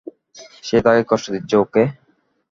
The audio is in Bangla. সে তাকে কষ্ট দিচ্ছে, ওকে?